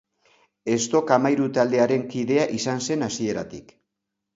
Ez Dok Amairu taldearen kidea izan zen hasieratik.